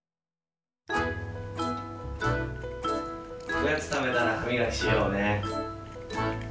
おやつたべたらはみがきしようね。